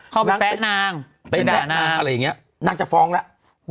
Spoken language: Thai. เขาไปแซะนางไปแซะนางอะไรอย่างนี้นางจะฟ้องแล้ว